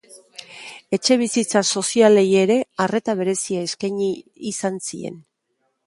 Etxebizitza sozialei ere arreta berezia eskaini izan zien.